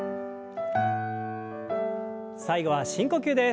最後は深呼吸です。